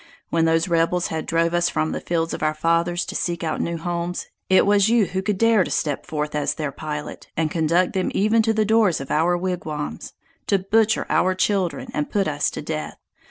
When those rebels had drove us from the fields of our fathers to seek out new homes, it was you who could dare to step forth as their pilot, and conduct them even to the doors of our wigwams, to butcher our children and put us to death!